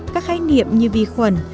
các khái niệm như vi khuẩn